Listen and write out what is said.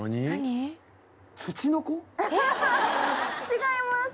違います。